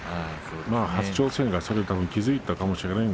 初挑戦でそのことに気付いたかもしれません。